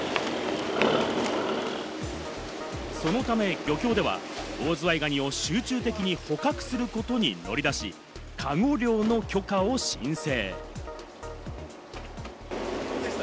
そのため漁協では、集中的にオオズワイガニを捕獲することに乗り出し、かご漁の許可を申請。